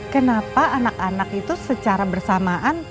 kenapa anak anak itu secara bersamaan